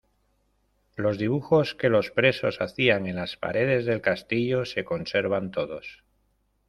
Los dibujos que los presos hacían en las paredes del castillo se conservan todos.